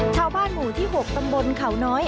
ชาวบ้านหมู่ที่๖ตำบลเขาน้อย